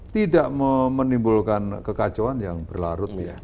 tidak menimbulkan kekacauan yang berlarut ya